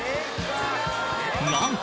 なんと！